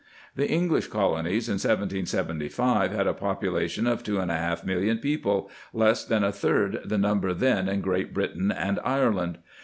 The English colonies in 1775 had a popula tion of two and a half million people, less than a | third the number then in Great Britain and Ire land.